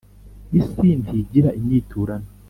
Isi ntigira inyiturano.